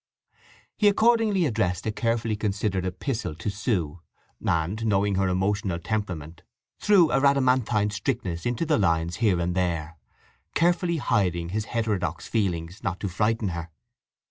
He accordingly addressed a carefully considered epistle to Sue, and, knowing her emotional temperament, threw a Rhadamanthine strictness into the lines here and there, carefully hiding his heterodox feelings, not to frighten her.